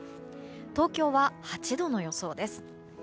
東京は８度の予想です。